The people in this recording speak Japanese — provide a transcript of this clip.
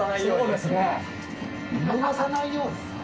見逃さないように？